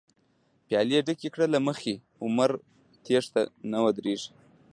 پيالی ډکې کړه له مخی، عمر تښتی نه ودريږی